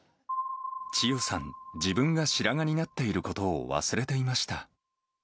チヨさん、自分が白髪になっていることを忘れていました。